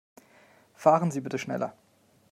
Fahren Sie bitte schneller.